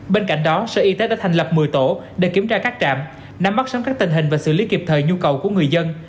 bên cạnh đó sở y tế đã thành lập một mươi tổ để kiểm tra các trạm nắm bắt sớm các tình hình và xử lý kịp thời nhu cầu của người dân